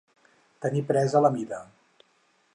Tenir presa la mida.